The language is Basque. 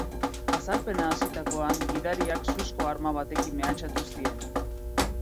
Jazarpena hasitakoan, gidariak suzko arma batekin mehatxatu zien.